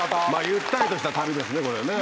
ゆったりとした旅ですねこれね。